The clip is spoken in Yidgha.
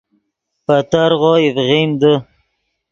پے ترغو اِڤغین دے